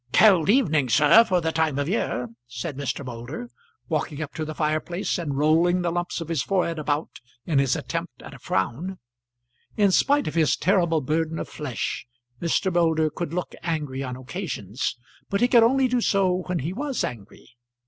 "Cold evening, sir, for the time of year," said Mr. Moulder, walking up to the fireplace, and rolling the lumps of his forehead about in his attempt at a frown. In spite of his terrible burden of flesh, Mr. Moulder could look angry on occasions, but he could only do so when he was angry.